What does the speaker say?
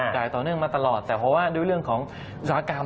ต่อเนื่องมาตลอดแต่เพราะว่าด้วยเรื่องของอุตสาหกรรม